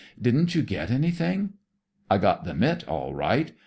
"Didn't you get anything?" "I got the mit, all right.